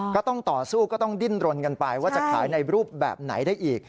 ก็ต้องต่อสู้ก็ต้องดิ้นรนกันไปว่าจะขายในรูปแบบไหนได้อีก